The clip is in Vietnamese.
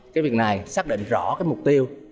cái việc này xác định rõ cái mục tiêu